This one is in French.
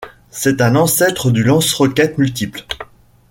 C'est un ancêtre du Lance-roquettes multiple.